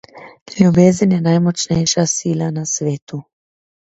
Ljubezen je najmočnejša sila na svetu.